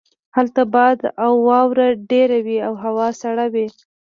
هلته باد او واوره ډیره وی او هوا سړه وي